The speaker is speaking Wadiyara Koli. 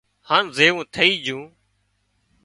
هانَ زُونو ٿئي جھو